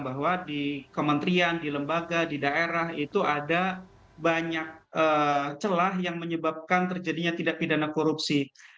bahwa di kementerian di lembaga di daerah itu ada banyak celah yang menyebabkan terjadinya tidak pidana korupsi